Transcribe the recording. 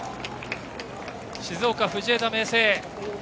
静岡・藤枝明誠